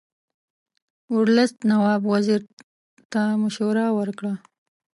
ورلسټ نواب وزیر ته مشوره ورکړه.